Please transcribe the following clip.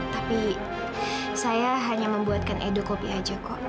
tapi saya hanya membuatkan edukopi aja kok